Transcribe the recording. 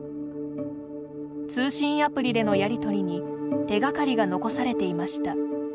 通信アプリでのやりとりに手がかりが残されていました。